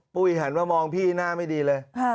ปุ่ยหันว่ามองพี่หน้าไม่ดีเลย